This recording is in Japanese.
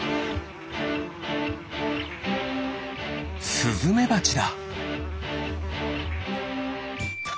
スズメバチだ。